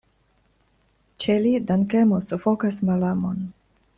Ĉe li dankemo sufokas malamon.